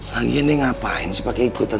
lagian nih ngapain sih pakai ikutan